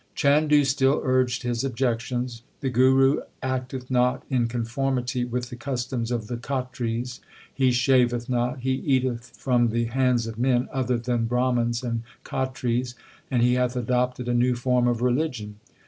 Chandu still urged his objections: * The Guru acteth not in conformity with the customs of the Khatris. He shaveth not, he eateth from the hands of men other than Brahmans and Khatris, and he hath adopted a new form of religion.